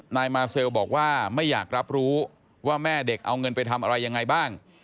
นายมาเซลบอกว่าไม่อยากรับรู้ว่าแม่เด็กเอาเงินไปทำอะไรยังไงบ้าง